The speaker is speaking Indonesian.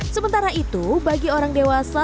sementara itu bagi orang dewasa